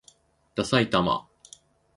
ださいたま